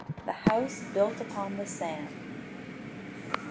] THE HOUSE BUILT UPON THE SAND.